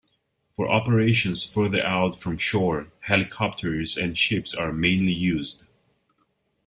For operations further out from shore helicopters and ships are mainly used.